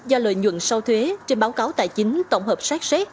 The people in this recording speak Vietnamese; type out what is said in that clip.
do lợi nhuận sau thuế trên báo cáo tài chính tổng hợp sát xế